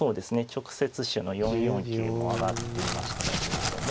直接手の４四桂も挙がっていましたけれども。